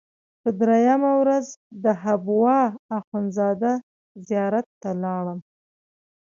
په درېیمه ورځ د حبوا اخندزاده زیارت ته لاړم.